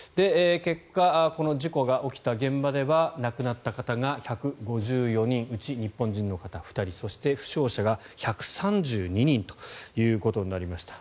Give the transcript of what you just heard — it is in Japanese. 結果、この事故が起きた現場では亡くなった方が１５４人うち日本人の方２人そして、負傷者が１３２人ということになりました。